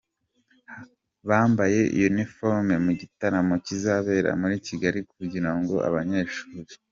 bambaye uniforme mu gitaramo kizabera muri Kigali kugira ngo abanyeshuri.